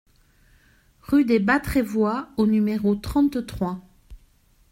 Rue des Bas Trévois au numéro trente-trois